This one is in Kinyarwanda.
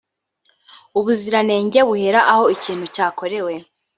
Ubuziranenge buhera aho ikintu cyakorewe